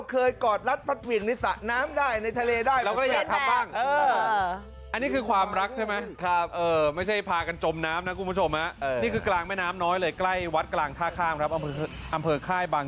เกิดมาที่เทคโนมัน